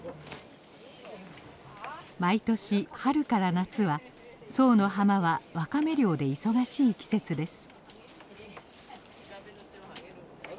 毎年春から夏は左右の浜はワカメ漁で忙しい季節です。